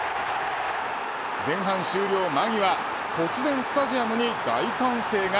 前半終了間際突然スタジアムに大歓声が。